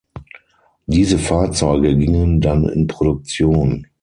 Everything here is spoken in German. Diese Fahrzeuge gingen dann in Produktion.